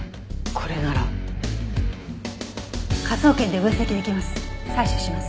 「これなら」？科捜研で分析できます。